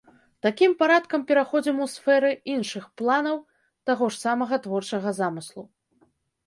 Такім парадкам пераходзім у сферы іншых планаў таго ж самага творчага замыслу.